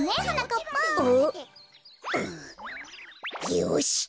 よし！